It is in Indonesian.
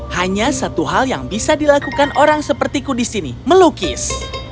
hanya satu hal yang bisa dilakukan orang sepertiku di sini melukis